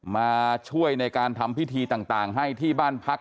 มาช่วยในการทำพิธีต่างให้ที่บ้านพัก